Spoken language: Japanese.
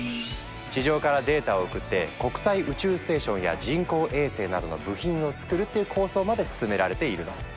地上からデータを送って国際宇宙ステーションや人工衛星などの部品を作るという構想まで進められているの。